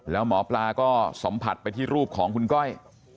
แล้วหมอปลาก็สัมผัสไปที่รูปของคุณก้อย